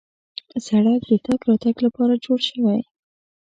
سړک د تګ راتګ لپاره جوړ شوی.